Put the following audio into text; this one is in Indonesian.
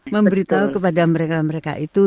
memberitahu kepada mereka mereka itu